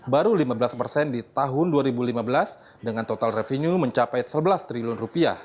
baru lima belas persen di tahun dua ribu lima belas dengan total revenue mencapai rp sebelas triliun